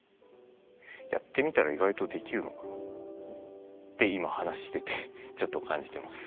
やってみたら意外とできるのかなって今話しててちょっと感じてます。